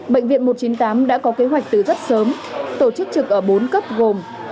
bệnh viện một trăm chín mươi tám đã có kế hoạch từ rất sớm tổ chức trực ở bốn cấp gồm